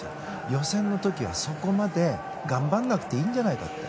予選の時はそこまで頑張らなくていいんじゃないかって。